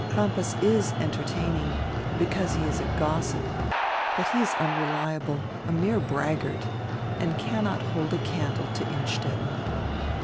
Crampas is entertaining, because he is a gossip, but he is unreliable, a mere braggart, and cannot hold a candle to Innstetten."